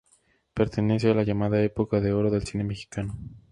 Pertenece a la llamada Época de oro del cine mexicano.